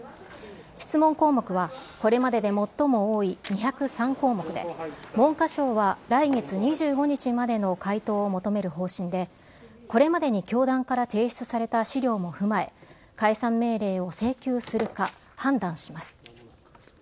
質問項目は、これまでで最も多い２０３項目で、文科省は来月２５日までの回答を求める方針で、これまでに教団から提出された資料も踏まえ、解散命令を請求するか、判断します。